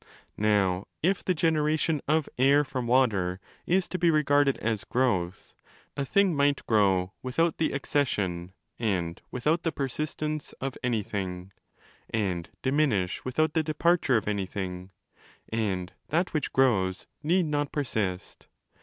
| Now if the generation of air from water is to be regarded as growth, a thing might grow without the accession (and without the persistence) of anything, and diminish without the departure of anything—and that which grows need not persist.